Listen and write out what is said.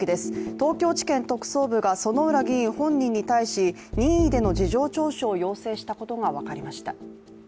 東京地検特捜部が薗浦議員本人に対し任意での事情聴取を要請したことが分かりました。